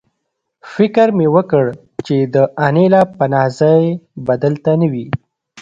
فکر مې وکړ چې د انیلا پناه ځای به دلته نه وي